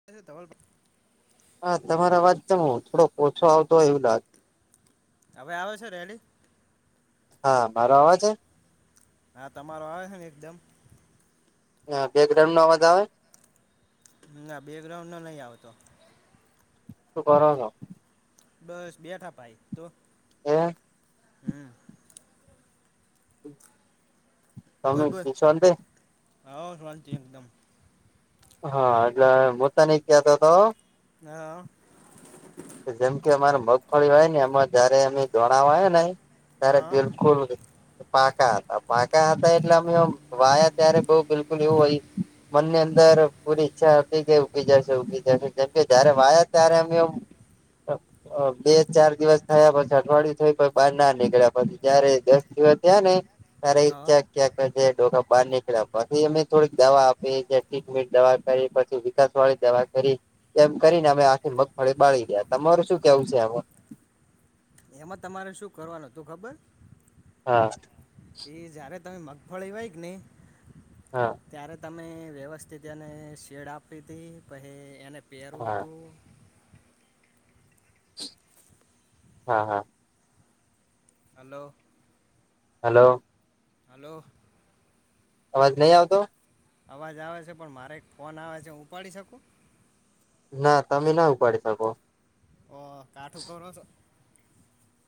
[unintelligible] હા તમારો અવાજ જમ થોડો ઓછો આવતો હોય એવું લાગે હવે આવ છે રેલી હા મારો અવે છે હા તમારો આવે છે ને એકદમ હ બેકગ્રાઉન્ડ નો અવાજ આવે ના બેકગ્રાઉન્ડ નો નહી આવતો તો બરો ન બસ બેઠાપાય તો હમ્મ હમ્મ બોલ બોલ તમે શાંતિ હ શાંતિ એકદમ હા એટલે મ તને કતો હતો હા જેમ કે અમારે મગફળી હોય ને એમાં જયારે અમે ધોણાવાય ને ત્યારે હા બિલકુલ પાકા હતા પાકા હતા એટલે અમે વાયા ત્યારે બઉ બિલકુલ એવું હોય બને અંદર પૂરી ઈચ્છા આપી દગી જશે ઉગી જશે જેમ કે જયારે વાયા ત્યારે અમે બે ચાર દિવસ થયા પછી અઠવાડિયું થયું પછી બાર ના નીકળ્યા પછી જય્યારે દસ દિવસ થયા ને ત્યારે હા ક્યાંક ક્યાંક જે ડોકા બહાર નીકળ્યા પછી અમે થોડીક દવા આપી ટ્રીટમેન્ટ દવા કરી પછી વિકાસ વાળી દવા કરી એમ કરીને અમે આખથી મગફળી બાળી ગયા તમાર શું કેવું છે આ એમાં તમારે શું કરવાનું તું ખબર હા એ જયારે તમે મગફળી વાય કે ને હા ત્યારે તમે વ્યવસ્થિત એને શેડ આપી હતી પછી એને પહેરવું હા હતું હા હા હલો હલો હલો અવાજ નહી આવતો અવાજ આવે છે પણ મારે એક ફોન આવે છે હું ઉપાડી શકું ના તમે ના ઉપાડી શકો ઓ કાઠું કરો છો.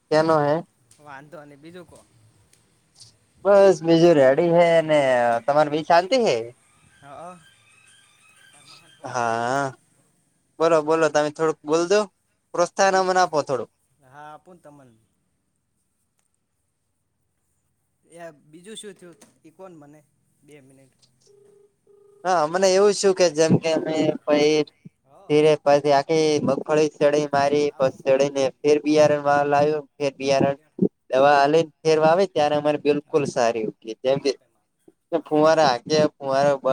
કનો હે. વાંધો નહી બીજું કો. બસ બીજું રેડી હૈ ને તમારે બી શાંતિ હે. હા ફોન કરી દે હા. બોલો બોલો તમે થોડુંક બોલ સો. બીજ હા આપું તમને. એ બીજું શું થયું ઇ કોન મને બે મિનિટ. હમ [inaudible] હા મને એવું શું કે જેમ કે અમે પ હ ધીરે પછી આખી મગફળી ચડે મારી હા પછ હું બોલે ચને સચિન બોલો ફેર બિયારણ મા લાવ્યો ફેર બિયારણ બેઠા દવા આલી ફેરવા આવે ત્યારે અમારે બિલકુલ હા સારી જેમ કે માપે માપે માપે ફુવારા આગે ફુવારા હોવે બ.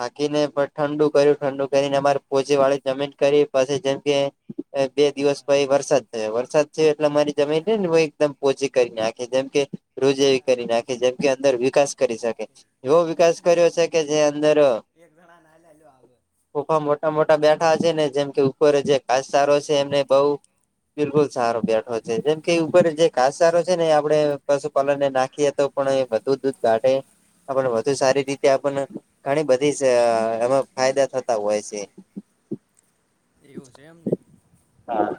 હાકીને પણ ઠંડુ શેઠ કર્યું નથી ઠંડુ હાજર કરીને અમારે પોચી વાળી જમીટ કરી પછી જેમ કે બે વિપુલ દિવસ પાઈ હાર્યો વરસાદ થયો વરસાદ થયો એટલે મારી હે જમીન છે ને એકદમ પોચી કરી નાખે જેમ કે. રોજ એવી ગોટા કરી વીસ નાખે જેમ આવા કે એક અંદર વિકાસ જણા કરી નાલ્યા શકે પેલી એવો એક વિકાસ જણા કર્યો નાલ્યા છે કે જે એક જણા ના લેલો આગળ. ઉફા મોટા મોટા બેઠા છે ને જેમ કે ઉપર જે કાસચારો છે એમને બહુ બિલકુલ સારો બેઠો છે જેમ કે ઉપર જે કાસચારો છે ને આપણે પશુપાલનને નાખીએ તો પણ એ વધુ દૂધ કાઢે આપણે વધુ સારી રીતે આપને ઘણી બધી છે એમાં ફાયદા થતા હોય છે. એવું છે એમને હા.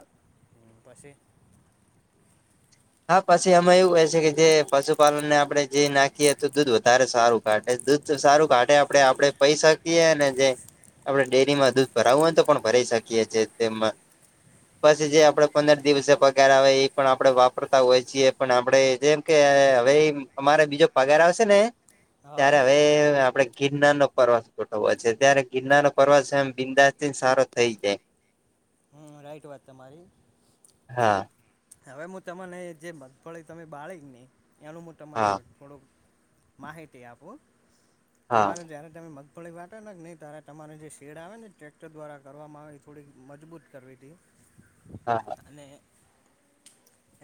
પછી. હા પછી એમાં એવું ક છે કે જે પશુપાલન ને આપડણે જે નાખીએ તો દૂધ વધારે સારું કાઢે દૂધ તો સારું કાઢે આપણે આપડે પૈ શકીએ ને જે. આપણે ડેરીમાં દૂધ ભરાવું હોય તો પણ ભરાઈ શકીએ છે તેમાં. પછી જે આપડે પંદર દિવસે પગાર આવે એ પણ આપડે વાપ કરતા હોય છીએ પણ આપડણે જેમ કે હવે અમારે બીજો પગાર આવશે ને હા ત્યારે હવે આપડે ગિરનાર નો પ્રવાસ ગોઠવો છે ત્યારે ગિરનાર નો પ્રવાસ એમ બિંદાાસથી સારો થઈ જાય હમ રાઈટ વાત તમારી હા. હવે હું તમને જે મગફળી તમે બાળી નહી એનું હું તને હા થોડુંક માહિતી આપો હા તમારું જ્યારે તમે મગ થોડીક વાત ના કે નહી તારે તમારે જે શેડ આવે ને ટ્રેક્ટર દ્વારા કરવામાં આવે એ થોડીક મજબૂત કરવી હતી. [unintelligible] હા હા. અને.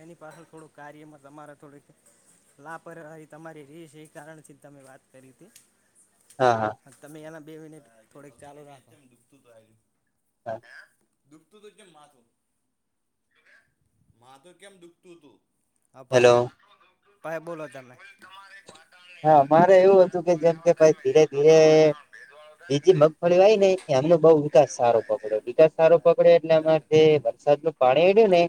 એની પાછળ થોડુંક કાર્યમાં તમારે થોડુંક લાપરવાહી તમારી રી છે એ કારણથી તમે વાત કરી હતી હા હા. તમે એના બે મિનિટ થોડીક ચાલુ રાખો. હા. દુઃખ તુજ કે માથું. માથું કેમ દુખતું હતું આ હેલો પાછી બોલો તમે. હા મારે એવું હતું કે જેમ કે ભાઈ ધીરે ધીરે વાતાવરણ ભેજવાળો થાય કે બીજી ને મગફળી આવી ને એમનો બઉ એટલે વિકાસ એવું સારો થાય છે એમ પકડ્યો વિકાસ સારો પકડ્યો એટલે આમાં થી. દું પાણી એળ્યું ને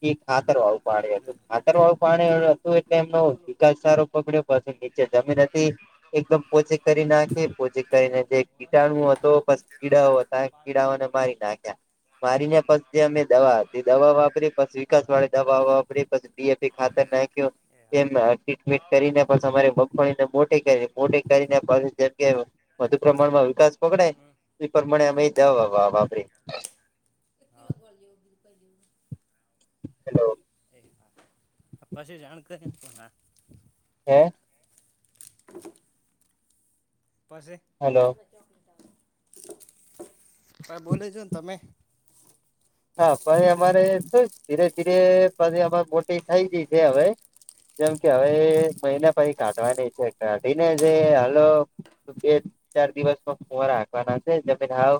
કે ખાતર વાળું પાણી હતું ખાતર વાળું પાણીયું હત. તો એટલે એમનો બોલો વિકાસ સારો પકડ્યો પછી એ નીચે તો કોણ જમીન પેલો હતી. કેટલો હતો ફોટો એકદમ નવો પોચી થવાનો કરી આવ્યો તો નાખે બોલો ને પોચી તમારી કરીને નાખે. કીટાણું હતો પછ કેટલા કીડાઓ હજાર હતા કીડાઓને મારી નાખ્યા મારીને પ જે અમે દવા આપી દવા વાપરી પછી વિકાસ વાળી દવા વાપરી પછી ડી એ પી ખાતર નાખ્યો એ હા એનમા હરખી ટ્રીટ મે કરીને મગફળીને મોટી કરી મોટી કરીને પાછ જગ્યાએ વધુ પ્રમાણમાં વિકાસ પકડે હમ એ પ્રમાણે આમે એ દવા વા વાપરી [unintelligible] હલો પશી જાણ કરી આપું ના હે [unintelligible] પાસે હલો ક બોલે છો ને તમે હા પણ અમારે શું ધીરે ધીરે પછી અમારે મોટી થઈ ગઈ છે હવે જેમ કે હવે મહિના પછી કાઢવાની છે કાઢીને જે હાલો બે ચાર દિવસમાં કુંવારા રાખવાના છે જમે હાવ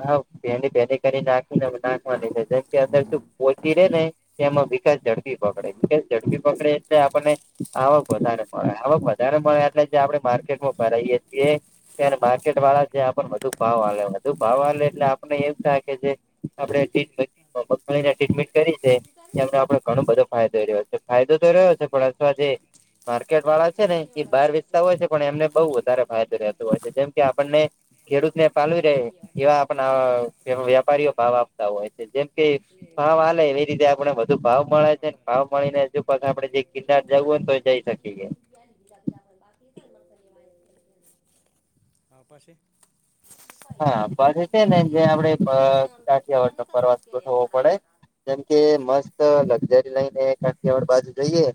હા ભેડી ભેડી કરી નાખીને નાખવા છે જેમ કે અંદર શું પોછી રે ને એમાં વિકાસ ઝડપી પકડે વિકાસ ઝડપી પકડે એટલે આપણને આવક વધારે આવક વધારે મળે એટલે જે આપડે માર્કેટમાં ભરાઈએ છીએ ત્યારે માર્કેટ વાળા છે આપને વધુ ભાવ આવે વધુ ભાવ આવેે એટલે આપણને એમ થાય કે જે આપડે ટ્રીટમે મગફળીમાં ટ્રીટમેન્ટ કરી છે. એમને આપડે ઘણો બધો ફાયદો રહ્યો છે ફાયદો તો રહ્યો છે પણ અથવા જે માર્કેટ વાળા છે ને એ બહાર વેચતા હોય છે પણ એમને બહુ વધારે ફાયદો રહેતો હોય છે જેમ કે આપણને ખેડૂત ને પાલવી રહે એવા આપને વેપારીઓ ભાવ આપતા હોય છે જેમ કે ભાવ આલે એવી રીતે આપડે બધુ ભાવ મળે છે ને ભાવ મળી નેજુ પા આપડે જે કિરનાર જવું હો ને તોય હા પછી હા પછી છે ને જે આપડે [unintelligible] જેમકે મસ્ત લક્ઝરી લઈને કાઠિયાવાડ બાજુ જોઈએ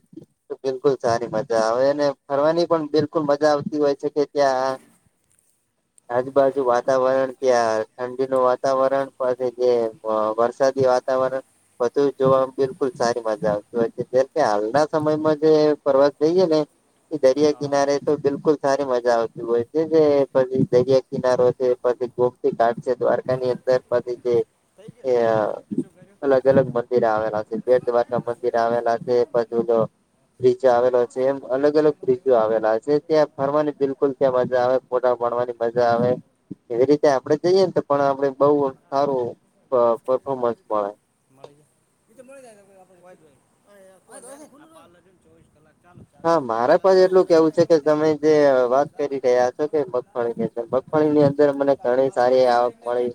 બિલકુલ સારી મજા આવે અને ફરવાની પણ બિલકુલ મજા આવતી હોય છે કે ત્યાં [unintelligible] આજુ બાજુ વાત તાવરણ ત્યાં ઠંડીનું વાતાવરણ પછી જે વરસાદી વાતાવરણ બધું જોવામાં બિલકુલ સારી મજા આવતી હોય જ્યારે કે હાલના સમયમાં જે પ્રવાસ જઈ ને એ દરિયા હા કિનારે તો બિલકુલ સારી મજા આવતી હોય છે જે પછી દરિયા કિનારો છે પછી ગોમતીઘાટ છે દ્વારકા ની અંદર પછી જે થઈ ગયો શું કર્યું અલગ અલગ મંદિર આવેલા છે બેટ દ્વારકા મંદિર આવેલા છે પછી જો બ્રિજ આવેલો છે એમ અલગ અલગ બ્રિજો આવેલા છે ત્યાં ફરવાની બિલકુલ ત્યાં મજા આવે ફોટા પાડવાની મજા આવે એવી રીતે આપડે જઈએ ને તો પણ આપડે બઉ સારું પ પરફોર્મન્સ મળે મળે જ [unintelligible] હા મારે બસ એટલું કેવું જાય છે કે તમે જે વાત કરી રહ્યા છો કે મગફળીને મગફળી ની અંદર મને ઘણી સારી આવક મળી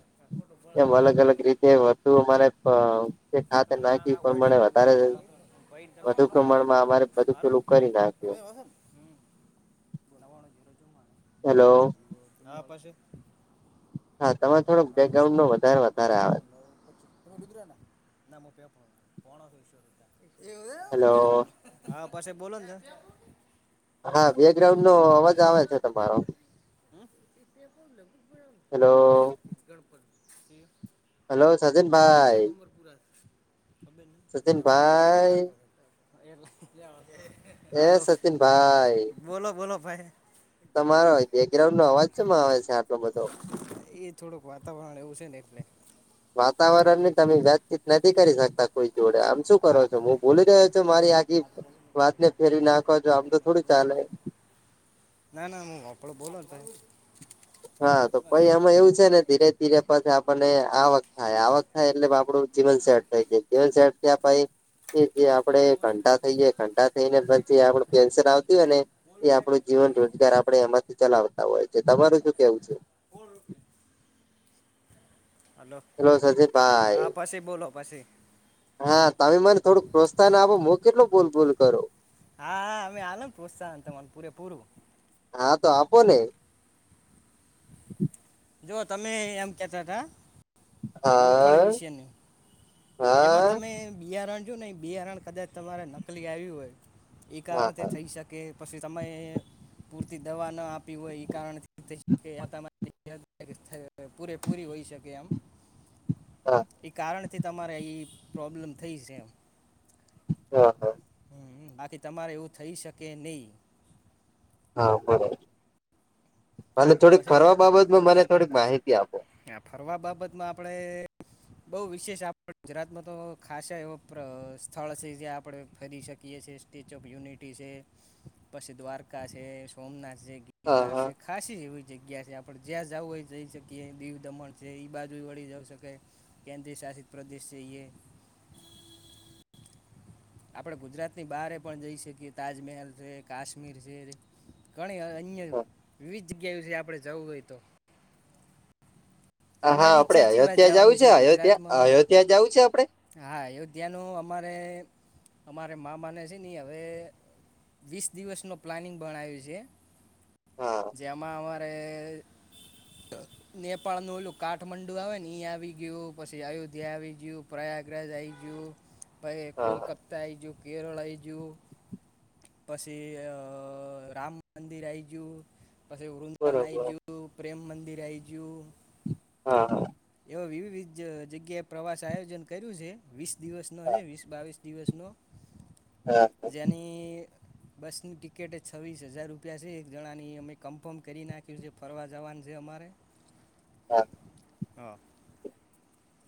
એમ અલગ અલગ રીતે તું મારે અ ખાતર તમે તો નાખી ઇ આ પ્રમાણે પડ્યું વધારે હોય એટલે આવી ભાઈ વધુ તમે પ્રમાણમાં અમારે બધું ટલું કરી નાખીએ. અહ હ [unintelligible] હેલો હા પછી હા તમેં અઠાણું થોડોક નવ બેકગ્રાઉન્ડ નો વધારે વધારે આવે તમે મુદ્રા ના પેફ કોણ છશ્વ એવ હેલો હા પછી બોલો ને હા બેગ્રાઉન્ડ નો અવાજ આવે છે તમારો હેલો [unintelligible] ગણપત હેલો સચિનભાઈ ઉપરપુરા ખબર નહી એના વ સચિનભાઈ બીજાઠાક એ એરલા હલો સચિનભાઈ બોલો બોલો ભાઈ તમારો બેકગ્રાઉન્ડ નો અવાજ ચમ આવે છે આટલો બધો એ થોડુંક વાતાવરણ એવું છે ને એટલે વાતાવરણ ને તમે વાતચીત નથી કરી શકતા કોઈ જોડે આમ - શું કરો છો હું બોલી રહ્યો છું મારી આગી વાતને ફેરીવી નાખો છો આમ તો થોડું ચાલે ના ના હું આપડો બોલો તો હા તો પાઈ આમાં એવું છે ને ધીરે પછી આપણને આવક થાય આવક થાય એટલે આપણું જીવન શેર થઈ જાય જીવન શેર પછી એ જે આપડે ઘંટા થઈ ઘંટા થઈ ને પછી આપડ પેસર આવતી હોય ને એ આપણો જીવન રોજગાર આપડે એમાંથી ચલાવતા હોય છે તમારું શું કેવું છે. ઓળ રૂપિયા હલો હેલો સજીભાઈ હા પછી બોલો પછી હા તમે મને થોડુંક પ્રોત્સાહન આપો મુ કેટલું બોલ બોલ કરુ હા હા અમે આલમ પ્રોત્સાહન તમાર પૂરે પૂરું હા તો આપો ને [inaudible] જો તમે એમ કેતા હતા મગફળી હા વિશેની એમાં હા તમે બિયારણ જો ને એ બિયારણ કદાચ તમારે નકલી આવ્યું હોય એ હા કારણ તે હા થઈ શકે કે પછી સમયે પૂરતી દવા ન આપી હોય એ કારણથી તમા પૂરે પૂરી હોઈ શકે આમ. હા એ કારણથી તમારે એ પ્રોબ્લેમ થઈ છે એમ. [unintelligible] હ બાકી તમારે એવું થઈ શકે નહિ હા બરાબર અને થોડીક ફરવા બાબતમાં મને થોડીક માહિતી આપો. આ ફરવા બાબત માં આપણેે બઉ વિશેષ આપ ગુજરાતમાં તો ખાસા એવો સ્થળ છે જ્યાં આપડણે ફેરી શકીએ છેએ સ્ટેચ્યુ ઓફ યુનિટી છે પછી દ્વારકા છે સોમનાથ છે. હા હા નાસિક ખાાસી એવી જગ્યા છે આપડણે જ્યાં જવું હોય જઈ શકીએ દીવ દમણ છે એ બાજુ વળી જઈ શકે કેન્દ્રીય શાસિત પ્રદેશ છે એ આપડે ગુજરાતની બહારે પણ જઈ શકીએ તાજમહેલ છે કાશ્મીર છે. ઘણી અન્ય વિવિધ જગ્યા છે આપડે જવું હોય તો હા હા તમારી આપડે ઈચ્છા છેી બાદ અયોધ્યા જવું જવાનું છે અયોધ્યા ગુજરાતમાં અયોધ્યા જવું છે આપડે હા અયોધ્યાનું અમારે અમારે મામાને છે નહી હવે વીસ દિવસ નુ પ્લાનિંગ બણાવ્યું છે હા જેમાં અમારે નેપાળનું ઓલુ કાઠમંડુ આવે ને ઈ આવી ગયું પછી અયોધ્યા આવી ગયું પ્રયાગરાજ આવી ગયું પ હા હા કોલકતા આય ગયું કેરળ આઈ ગયું પછી અ રામ મંદિર આઈગયું પછી વૃંદન આ આવી બરોબર જયું પ્રેમ મંદિર આ આવી ગયું - હા એવ વિવિધ જગ્યાએ પ્રવાસ આયોજન કર્યું છે વીસ દિવસ નો હા છે વીસ બાવીસ દિવસ નો હા યાની બસની ટિકિટ છવ્વીસ હજાર રૂપિયા છે એક જણાની અમે કન્ફર્મ કરી નાખ્યું છે ફરવા જવાનું છે અમારે હા. હા.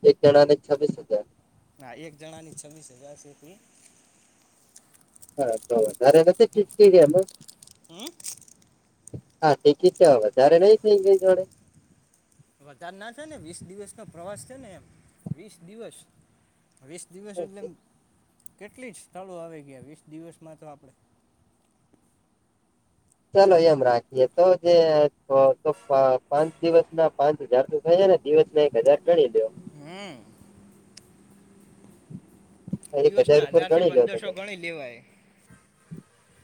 એક જણા ને છવ્વીસ હજાર હા એક જણા ની છવ્વીસ હજાર છે. હા તો વઘારે નથી ટિકિટ હેમા. હું. હા ટિકિટ તો વધારે નઈ થઇ ગઈ જોડે વધાર ના થાય ને વીસ દિવસ નો પ્રવાસ છે ને એમ વીસ દિવસ વીસ દિવસ એટલે એમ કેટલી જ સ્થળો આવી ગયા વીસ દિવસમાં તો આપણે દ ચાલો એમ રાખીએ તો જે પ પાંચ દિવસ ના પાંચ હજાર તો થઈ ને. દિવસ ના એક હજાર ગણી દેયો. હું. એક દિવસ ના ઉપર હજાર થી ગણી લો પંદરસો તમે ગણી લેવાય.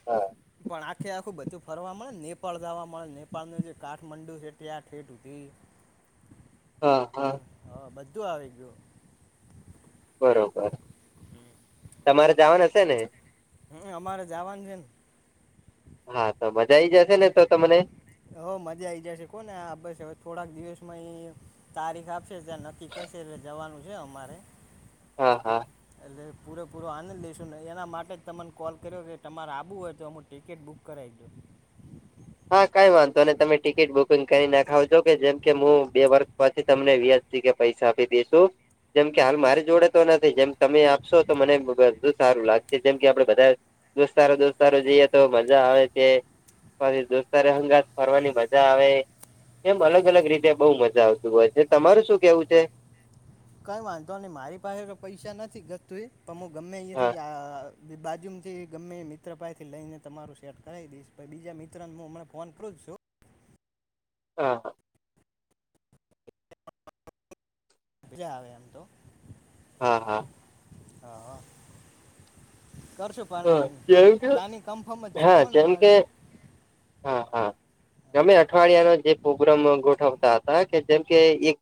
હા પણ આખે આખું બધું ફરવા મળે નેપાળ જવા મળે નેપાળનું જે કાઠ મંડુ છે ત્યા ઠેઠ જઈ. હા હા. હા બધું આવી ગયું. બરોબર. તમારે જાવાના છે ને. હમ અમારે જાવાનું છે ને. હા તો મજા આઈ જશે ને તો તમને. હો મજા આઈ જશે કોને આ બસ હવે થોડાક દિવસમાં એ તારીખ આપશે ત્યાં નક્કી કચેરે જવાનું છે અમારે હા હા. એટલે પૂરેપૂરો આનંદ લઈેશું ને એના માટે જ તમને કોલ કર્યો કે તમારે આબુ હોય તો હમું ટિકિટ બુક કરાએ દઉ. હા કઈ વાંધો ને તમે ટિકિટ બુકિંગ કરી નાખાવજો કે જેમ કે હું બે વર્ષ પછી તમને વ્યા થી કે પૈસા આપી દેેશુ. જેમ કે હાલ હમ મારી જોડે તો નથી જેમ તમે આપશો તો મને બધું સારું લાગશે જેમ કે આપડે બધાયે દોસ્તારો દોસ્તારો જઈએ તો મજા આવે છે. પછી દોસ્તારે હંગાત ફરવાની મજા આવે. એમ અલગ અલગ રીતે બહુ મજા આવતુ હોય છે તમારું શું કેવું છે. કંઈ વાંધો નઈ મારી પાહે તો પૈસા નથી ગતતું પણ તમે ગમે હા અહીયાથી આ. બાજુ થી ગમે મિત્ર પસેથી લઈને તમારું સેટ કરાવ દઈશ પહે બીજા મિત્રને હું હમને ફોન કરું જ છું. હા હા. એટલે આવે એમ તો. હા હા. હા હા કર છું. હા પણ જેમ કે પ્લાનિંગ કન્ફર્મ જ છે હા કોને જેમ કે અમારે હા હા. અમે અઠવાડિયા નો જે પ્રોગ્રામ ગોઠવતા હતા કે જેમ કે એક